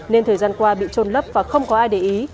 nên thời gian qua bị trôn lấp và không có ai để ý